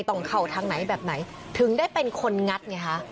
ต้องเข้าทางไหนแบบไหนถึงได้เป็นคนงัดไงคะ